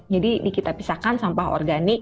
jadi kita pisahkan sampah organik